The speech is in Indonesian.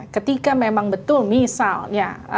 ketika memang betul misalnya